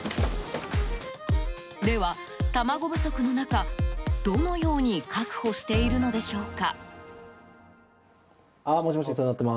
では、卵不足の中どのように確保しているのでしょうか。